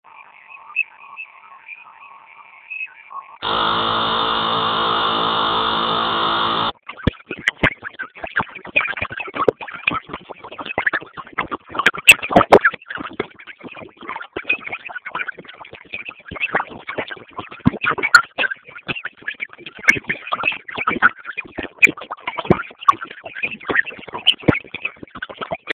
anasema amefurahishwa na uwamuzi huo